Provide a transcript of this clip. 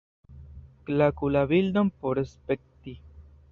Klaku la bildon por spekti.